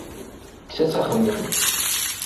Kkes-as axemmem.